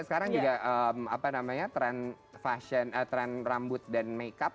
sekarang juga apa namanya tren rambut dan makeup